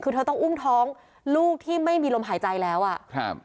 คือเธอต้องอุ้มท้องลูกที่ไม่มีลมหายใจแล้วอ่ะครับ